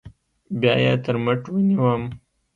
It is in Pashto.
بيا يې تر مټ ونيوم.